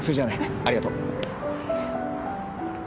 ありがとう。